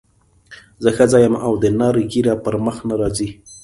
زه ښځه یم او د نر ږیره پر مخ نه راځي.